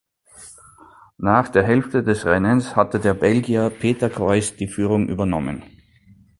Nach der Hälfte des Rennens hatte der Belgier Peter Croes die Führung übernommen.